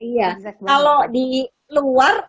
iya kalau di luar